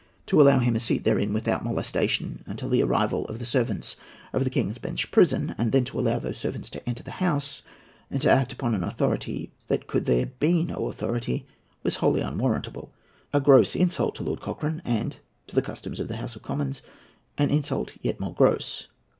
To allow him a seat therein, without molestation, until the arrival of the servants of the King's Bench Prison, and then to allow those servants to enter the House and act upon an authority that could there be no authority, was wholly unwarrantable, a gross insult to Lord Cochrane, and, to the customs of the House of Commons, an insult yet more gross.